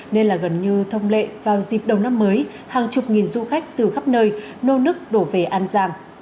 nên là gần như thông lệ vào dịp đầu năm mới hàng chục nghìn du khách từ khắp nơi nô nức đổ về an giang